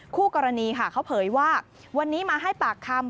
คู่กรณีค่ะเขาเผยว่าวันนี้มาให้ปากคำ